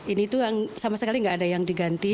ini tuh sama sekali tidak ada yang diganti